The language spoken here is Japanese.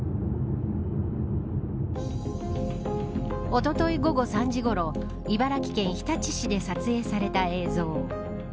おととい午後３時ごろ茨城県日立市で撮影された映像。